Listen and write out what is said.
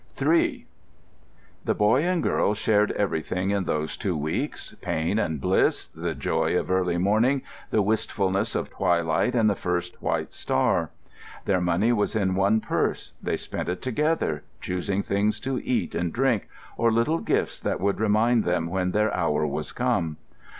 III The boy and girl shared everything in those two weeks—pain and bliss, the joy of early morning, the wistfulness of twilight and the first white star. Their money was in one purse; they spent it together, choosing things to eat and drink, or little gifts that would remind them when their hour was come.